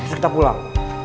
terus kita pulang